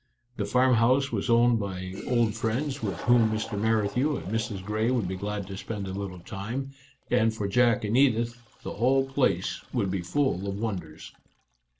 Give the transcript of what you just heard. The farmhouse was owned by old friends with whom Mrs. Merrithew and Mrs. Grey would be glad to spend a little time, and Our Little Canadian Cousin 49 for Jack and Edith the whole place would be full of wonders.